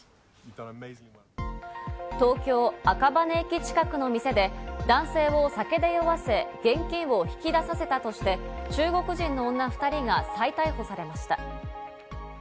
東京・赤羽駅近くの店で男性を酒で酔わせ現金を引き出させたとして、中国人の女２人が再逮捕されました。